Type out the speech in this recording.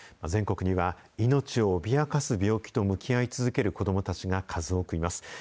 全国には命を脅かす病気と向き合い続ける子どもたちが数多くいます。